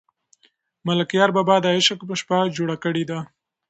ملکیار بابا د عشق شپه جوړه کړې ده.